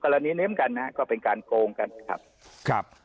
อันนี้เหมือนกันนะฮะก็เป็นการโกงกันครับครับ